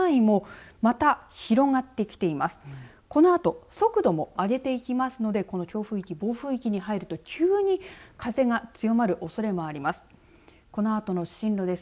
このあと速度も上げていきますのでこの強風域、暴風域に入ると急に風が強まるおそれもあります。